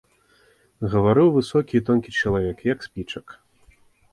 Гаварыў высокі і тонкі чалавек, як спічак.